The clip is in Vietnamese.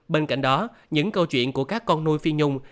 bên cạnh đó những câu chuyện của các con nuôi phi nhung